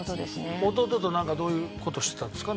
弟となんかどういう事してたんですか？